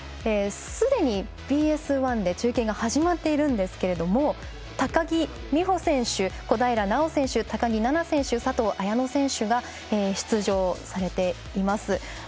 すでにＢＳ１で中継が始まっているんですけど高木美帆選手、小平奈緒選手高木菜那選手、佐藤綾乃選手が出場されています。